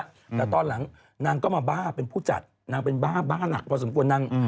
แต่ตอนหลังนางก็มาบ้าเป็นผู้จัดนางเป็นบ้าบ้าหนักพอสมควรนาง